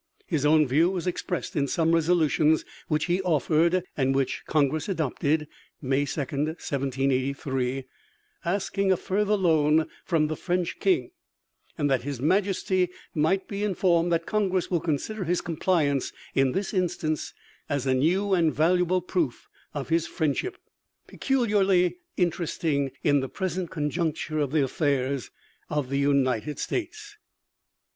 His own view was expressed in some resolutions which he offered, and which Congress adopted (May 2, 1783), asking a further loan from the French King, "and that His Majesty might be informed that Congress will consider his compliance in this instance as a new and valuable proof of his friendship, peculiarly interesting in the present conjuncture of the affairs of the United States."